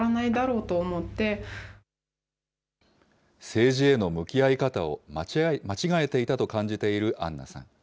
政治への向き合い方を間違えていたと感じているアンナさん。